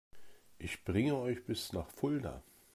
Ich bringe euch bis nach Fulda